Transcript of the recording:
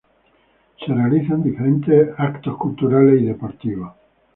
Se realizan diferentes eventos culturales y deportivos.